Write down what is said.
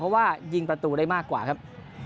เพราะว่ายิงประตูได้มากกว่าครับ